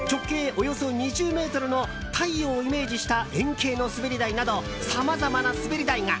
およそ２０ｍの太陽をイメージした円形の滑り台などさまざまな滑り台が。